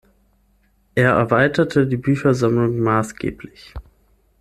Er erweiterte die Büchersammlung maßgeblich.